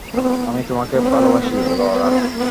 আমি তোমাকে ভালোবাসি, লরা।